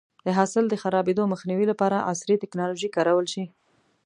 د حاصل د خرابېدو مخنیوی لپاره عصري ټکنالوژي کارول شي.